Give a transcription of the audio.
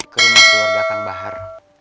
ke rumah keluarga kanbahar